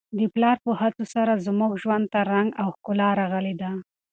د پلار په هڅو سره زموږ ژوند ته رنګ او ښکلا راغلې ده.